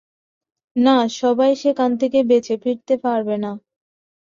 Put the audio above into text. না, সবাই সেখান থেকে বেঁচে ফিরতে পারবে না।